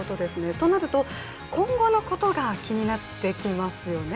そうなると、今後のことが気になってきますよね。